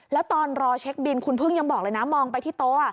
แล้วตอนรอเช็คบินคุณพึ่งยังบอกเลยนะมองไปที่โต๊ะ